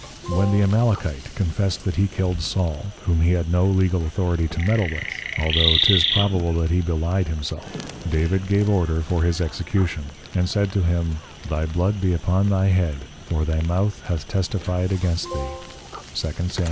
When the Amalekite confessed that he killed Saul, whom he had no legal Authority to meddle with, although 'tis probable that he belyed himself, David gave order for his Execution, and said to him, Thy Blood be upon thy Head, for thy Mouth hath Testified against thee, _2 Sam.